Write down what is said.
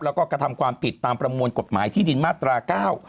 แล้วก็กระทำความผิดตามประมวลกฎหมายที่ดินมาตราเก้า